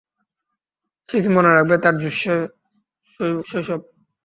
সে কি মনে রাখবে তার দুঃসহ শৈশব?